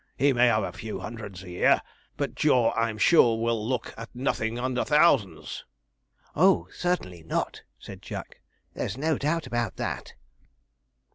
He may have a few hundreds a year, but Jaw, I'm sure, will look at nothing under thousands.' 'Oh, certainly not,' said Jack, 'there's no doubt about that.'